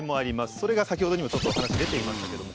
それが先ほどにもちょっとお話出ていましたけども。